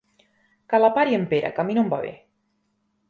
Que la pari en Pere, que a mi no em va bé.